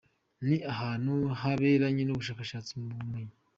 Ni ahantu haberanye n’ubushakashatsi mu by’ubumenyi.